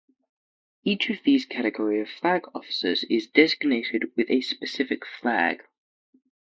Each of these category of flag officers is designated with a specific flag.